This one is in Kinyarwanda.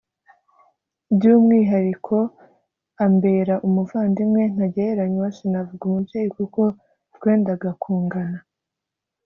By’umwihariko ambera umuvandimwe ntagereranywa sinavuga umubyeyi kuko twendaga kungana